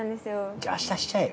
じゃ明日しちゃえよ。